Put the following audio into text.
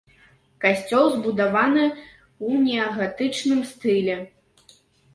Касцёл збудаваны ў неагатычным стылі.